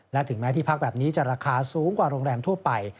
และถึงแม้ที่พักแบบนี้จะราคาสูงกว่าโรงแรมทั่วไป